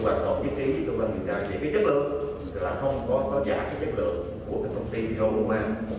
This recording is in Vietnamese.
chúng tôi đảm bảo nhất ký cho cơ quan điều tra về cái chất lượng là không có giả cái chất lượng của cái công ty diogoma